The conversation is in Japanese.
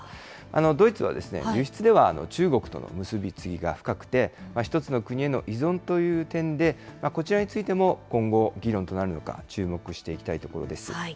ドイツは輸出では中国との結び付きが深くて、１つの国への依存という点で、こちらについても今後、議論となるのか、注目していきたいところです。